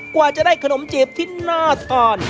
กว่าจะได้ขนมจีบที่น่าทาน